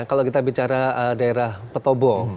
kalau kita bicara daerah petobo